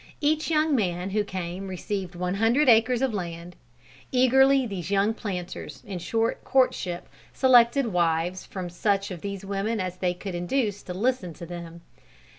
Each young man who came received one hundred acres of land. Eagerly these young planters, in short courtship, selected wives from such of these women as they could induce to listen to them.